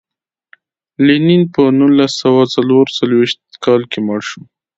لینین په نولس سوه څلور ویشت کال کې مړ شو.